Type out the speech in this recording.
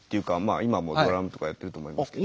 今もドラムとかやってると思いますけど。